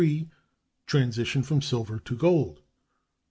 Transition from silver to gold.